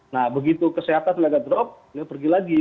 nah begitu kesehatan telah drop beliau pergi lagi